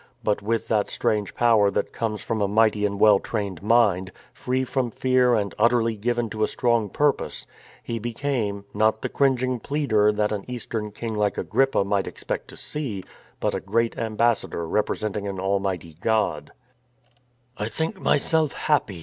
But with that strange power that comes from a mighty and well trained mind, free from fear and utterly given to a strong purpose, he became, not the cringing pleader that an Eastern king like Agrippa might expect to see, but a great ambassador represent ing an Almighty God, " I think myself happy.